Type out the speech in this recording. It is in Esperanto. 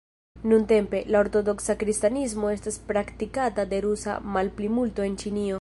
Nuntempe, la ortodoksa kristanismo estas praktikata de rusa malplimulto en Ĉinio.